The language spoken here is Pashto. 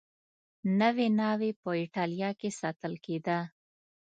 نوې ناوې په اېټالیا کې ساتل کېده